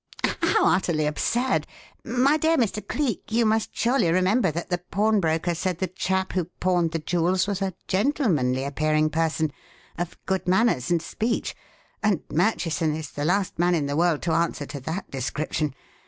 "How utterly absurd! My dear Mr. Cleek, you must surely remember that the pawnbroker said the chap who pawned the jewels was a gentlemanly appearing person, of good manners and speech, and Murchison is the last man in the world to answer to that description.